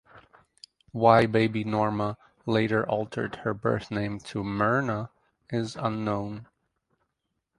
Why "Baby Norma" later altered her birth name to Merna is unknown.